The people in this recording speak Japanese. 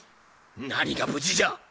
何が無事じゃ。